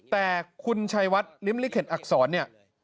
แต่คุณชัยวัดลิ้มลิเข็ดอักษรเนี่ย